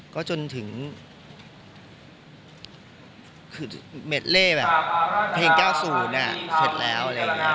ก็จนถึงคือเม็ดเล่แบบเพลง๙๐เสร็จแล้วอะไรอย่างนี้